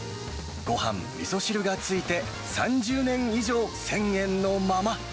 ごはん、みそ汁がついて３０年以上１０００円のまま。